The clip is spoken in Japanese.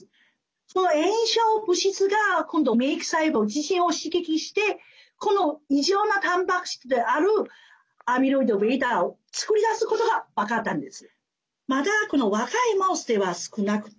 その炎症物質が今度免疫細胞自身を刺激してこの異常なたんぱく質であるアミロイドβを作り出すことが分かったんです。